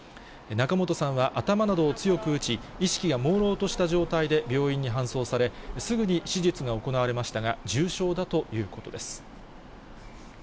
仲本さんは頭などを強く打ち、意識がもうろうとした状態で病院に搬送され、すぐに手術が行われましたが、重傷だということです。